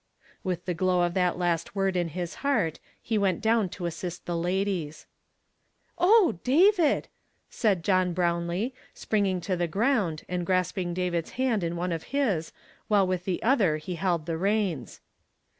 With tlie glow of that last word in his heart, he went down to assist the ladies. '• Oh, David !" said John Brownlee, springing to the ground, and grasping David's hand in one of his while with the other he held the reins.